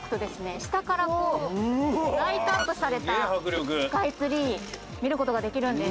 下からこうライトアップされたスカイツリー見る事ができるんです。